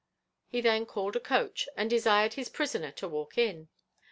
He then called a coach, and desired his prisoner to walk in.